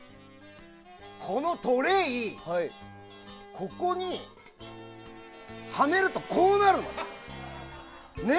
このトレー、ここにはめるとこうなるの！